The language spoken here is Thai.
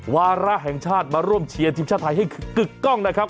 วาระแห่งชาติมาร่วมเชียร์ทีมชาติไทยให้กึกกล้องนะครับ